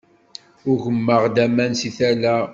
Ugmeɣ-d aman seg tala.